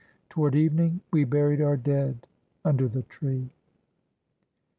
Toward evening we buried our dead imder the tree.